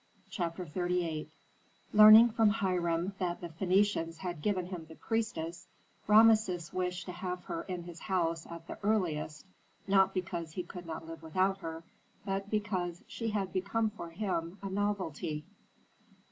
CHAPTER XXXVIII Learning from Hiram that the Phœnicians had given him the priestess, Rameses wished to have her in his house at the earliest, not because he could not live without her, but because she had become for him a novelty.